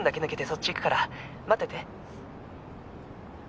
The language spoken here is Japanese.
そっち行くから待ってて！